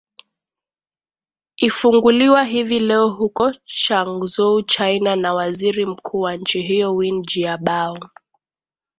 ifunguliwa hivi leo huko changzou china na waziri mkuu wa nchi hiyo win jiabao